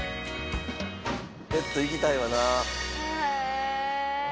ベッド行きたいわな。